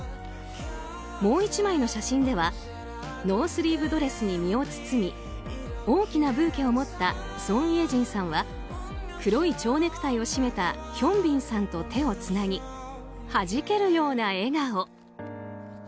もう１枚の写真ではノースリーブドレスに身を包み大きなブーケを持ったソン・イェジンさんは黒い蝶ネクタイを締めたヒョンビンさんと手をつなぎはじけるような笑顔。